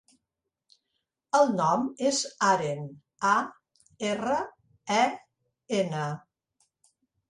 El nom és Aren: a, erra, e, ena.